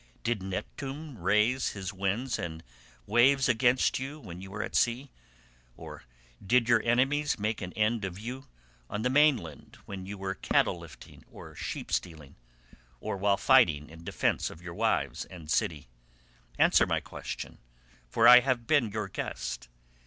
Did Neptune raise his winds and waves against you when you were at sea, or did your enemies make an end of you on the mainland when you were cattle lifting or sheep stealing, or while fighting in defence of their wives and city? Answer my question, for I have been your guest.